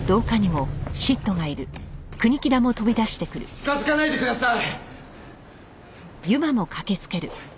近づかないでください！